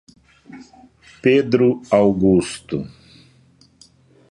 Pedro Augusto